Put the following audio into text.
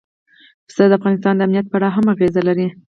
پسه د افغانستان د امنیت په اړه هم اغېز لري.